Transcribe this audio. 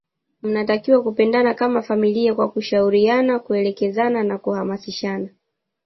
mnatakiwa kupendana kama familia kwa kushauriana kuelekezana na kuhamasishana